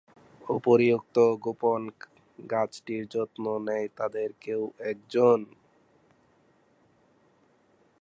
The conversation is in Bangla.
উপরন্তু, গোপনে গোপনে গাছটির যত্ন নেয় তাদেরই কেউ এক জন।